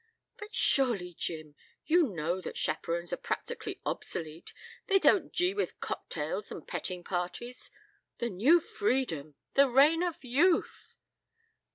"But surely, Jim, you know that chaperons are practically obsolete. They don't gee with cocktails and petting parties. The New Freedom! The Reign of Youth!"